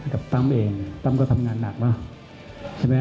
และตำเองตำก็ทำงานหนักนะ